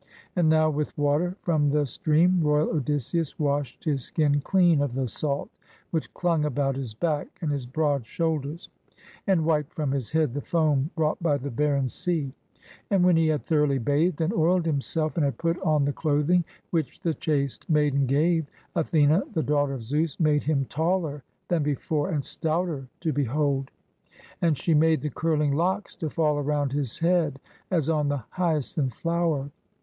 And now with water from the stream royal Odys seus washed his skin clean of the salt which clung about his back and his broad shoulders, and wiped from his head the foam brought by the barren sea ; and when he had thoroughly bathed and oiled himself and had put on the clothing which_the chaste maiden gave, Athene, the daughter of Zeus, made him taller than before and stouter to behold, and she made the curling locks to fall around his head as on the hyacinth flower.